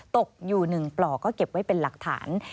ตกอยู่๑ปลอกก็เก็บไว้เป็นหลักฐาน